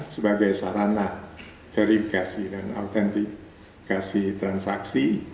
sebagai sarana verifikasi dan autentifikasi transaksi